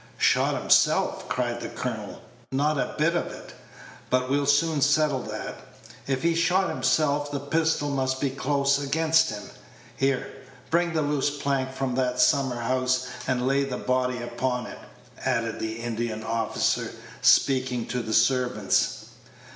"Shot himself!" cried the colonel; "not a bit of it. But we'll soon settle that. If he shot himself, the pistol must be close against him. Here, bring a loose plank from that summer house, and lay the body upon it," added the Indian officer, speaking to the servants.